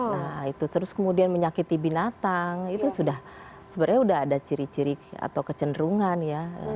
nah itu terus kemudian menyakiti binatang itu sudah sebenarnya sudah ada ciri ciri atau kecenderungan ya